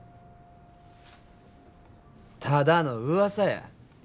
ただのうわさや。